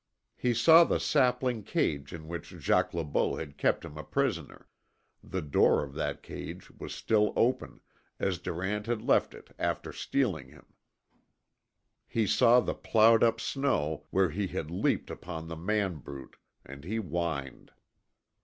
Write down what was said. He saw the sapling cage in which Jacques Le Beau had kept him a prisoner; the door of that cage was still open, as Durant had left it after stealing him; he saw the ploughed up snow where he had leapt upon the man brute and he whined.